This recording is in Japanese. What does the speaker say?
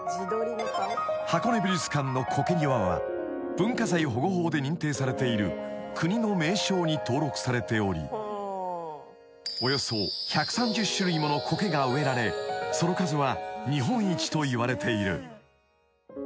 ［箱根美術館の苔庭は文化財保護法で認定されている国の名勝に登録されておりおよそ１３０種類ものコケが植えられその数は日本一といわれている］